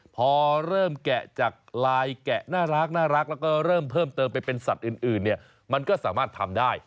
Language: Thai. พอเริ่มแกะจากลายแกะน่ารักแล้วก็เริ่มเพิ่มเติมไปเป็นสัตว์อื่นเนี่ยมันก็สามารถทำได้